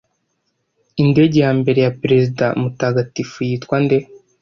Indege ya mbere ya Perezida Mutagatifu Yitwa nde